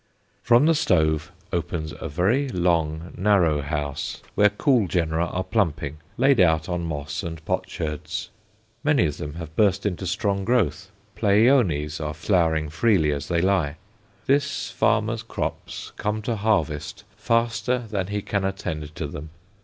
From the stove opens a very long, narrow house, where cool genera are "plumping," laid out on moss and potsherds; many of them have burst into strong growth. Pleiones are flowering freely as they lie. This farmer's crops come to harvest faster than he can attend to them.